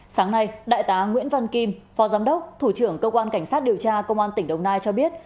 sáng nay đại tá nguyễn văn kim phó giám đốc thủ trưởng cơ quan cảnh sát điều tra công an tỉnh đồng nai cho biết